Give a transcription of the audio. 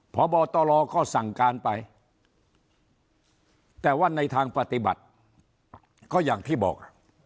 พบตรก็สั่งการไปแต่ว่าในทางปฏิบัติก็อย่างที่บอก